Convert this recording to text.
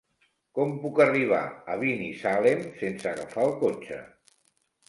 Com puc arribar a Binissalem sense agafar el cotxe?